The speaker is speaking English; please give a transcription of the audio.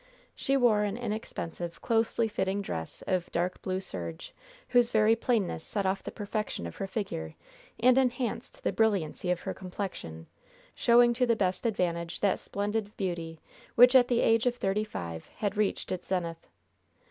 She wore an inexpensive, closely fitting dress of dark blue serge, whose very plainness set off the perfection of her figure and enhanced the brilliancy of her complexion, showing to the best advantage that splendid beauty, which at the age of thirty five had reached its zenith.